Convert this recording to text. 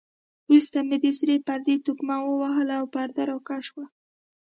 وروسته مې د سرې پردې تقمه ووهل او پرده را کش شوه.